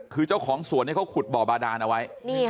คือเจ้าของสวนเขาขุดบ่อบาดานเอาไว้